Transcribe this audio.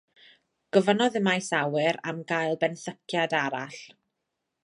Gofynnodd y Maes Awyr am gael benthyciad arall.